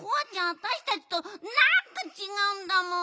わたしたちとなんかちがうんだもん。